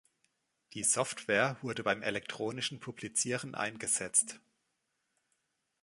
Die Software wurde beim elektronischen Publizieren eingesetzt.